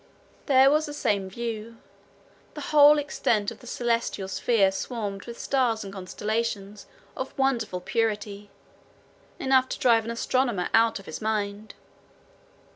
There was the same view. The whole extent of the celestial sphere swarmed with stars and constellations of wonderful purity, enough to drive an astronomer out of his mind!